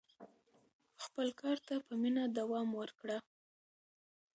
خپل کار ته په مینه دوام ورکړه.